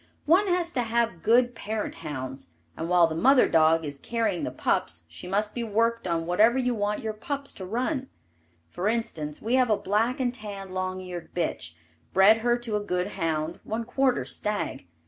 One has to have good parent hounds, and while the mother dog is carrying the pups she must be worked on whatever you want your pups to run. For instance, we have a black and tan long eared bitch, bred her to a good hound, one quarter stag.